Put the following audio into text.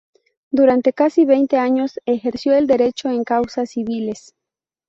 Durante casi veinte años ejerció el derecho en causas civiles.